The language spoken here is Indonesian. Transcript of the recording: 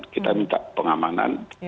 kita minta pengamanan